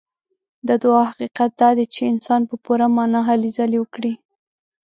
د دعا حقيقت دا دی چې انسان په پوره معنا هلې ځلې وکړي.